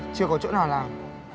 chưa có chỗ nào làm